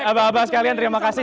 abang abang sekalian terima kasih